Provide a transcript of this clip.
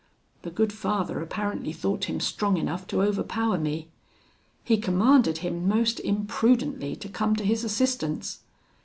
The good Father apparently thought him strong enough to overpower me. He commanded him, most imprudently, to come to his assistance.